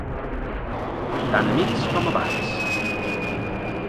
Tan amics com abans!